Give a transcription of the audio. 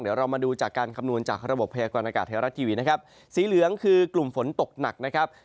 เดี๋ยวเรามาดูจากการคำนวณจากระบบพยากรณากาศไทยรัฐทีวีนะครับสีเหลืองคือกลุ่มฝนตกหนักนะครับ